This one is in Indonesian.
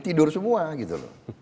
tidur semua gitu